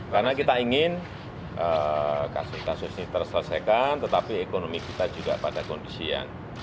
karena kita ingin kasus ini terselesaikan tetapi ekonomi kita juga pada kondisian